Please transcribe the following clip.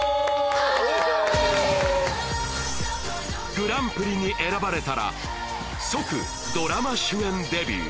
グランプリに選ばれたら即ドラマ主演デビュー